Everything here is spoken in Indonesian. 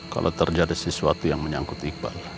kalau terjadi sesuatu yang menyangkut iqbal